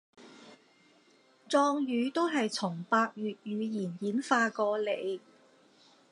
壯語都係從百越語言演化過禮